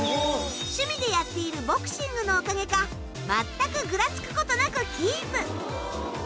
趣味でやっているボクシングのおかげか全くぐらつくことなくキープ。